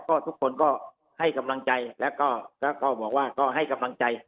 ก็ทุกคนก็ให้กำลังใจแล้วก็บอกว่าก็ให้กำลังใจ